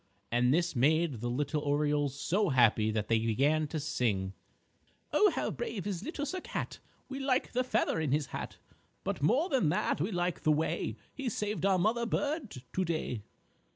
And this made the little Orioles so happy that they began to sing: "_Oh, how brave is Little Sir Cat! We like the feather in his hat, But more than that we like the way He saved our Mother Bird to day!